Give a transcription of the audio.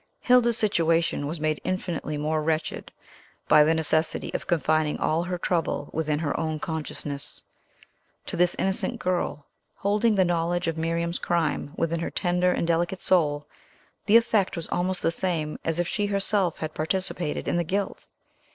Hilda's situation was made infinitely more wretched by the necessity of Confining all her trouble within her own consciousness. To this innocent girl, holding the knowledge of Miriam's crime within her tender and delicate soul, the effect was almost the same as if she herself had participated in the guilt.